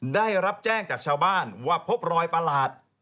ได้รับแจ้งจากชาวบ้านว่าพบรอยประหลาด